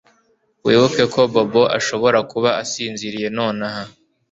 Wibuke ko Bobo ashobora kuba asinziriye nonaha